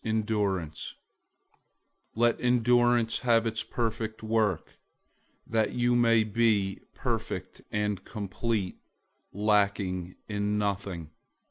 001:004 Let endurance have its perfect work, that you may be perfect and complete, lacking in nothing.